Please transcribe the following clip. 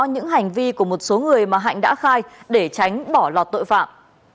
những hành vi của một số người mà hạnh đã khai để tránh bỏ lọt tội phạm